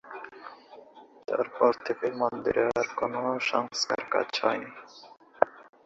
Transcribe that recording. তারপর থেকে এ মন্দিরের আর কোন সংস্কার কাজ করা হয়নি।